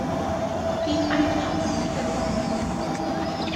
'Di'n iPad i yn fan 'na?